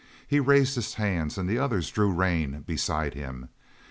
He raised his hand and the others drew rein beside him.